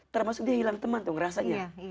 termasuk dia hilang teman tuh ngerasanya